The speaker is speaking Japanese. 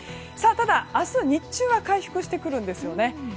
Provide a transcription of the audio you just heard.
ただ、明日日中は回復してくるんですよね。